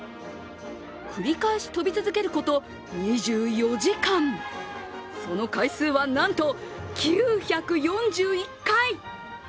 繰り返し飛び続けること２４時間、その回数はなんと９４１回。